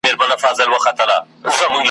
خدایه ستا پر ښکلې مځکه له مقامه ګیله من یم ,